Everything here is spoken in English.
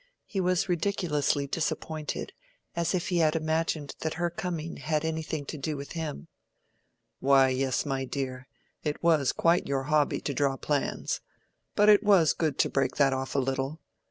He was ridiculously disappointed, as if he had imagined that her coming had anything to do with him. "Why, yes, my dear, it was quite your hobby to draw plans. But it was good to break that off a little.